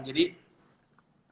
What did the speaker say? jadi ya itu